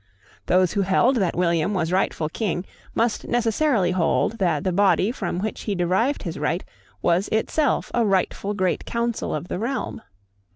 Those who held that William was rightful King must necessarily hold that the body from which he derived his right was itself a rightful Great Council of the Realm.